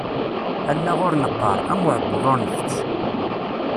Allaɣ ur neqqar, am uεebbuḍ ur ntett.